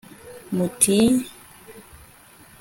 muti